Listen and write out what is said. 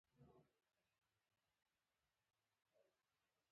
شیخ عمر خبرې کولې او زه د پښتو ادبیاتو په باغ کې ګرځېدم.